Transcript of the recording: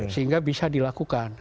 sehingga bisa dilakukan